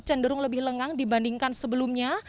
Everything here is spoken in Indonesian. cenderung lebih lengang dibandingkan sebelumnya